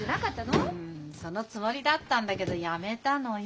うんそのつもりだったんだけどやめたのよ。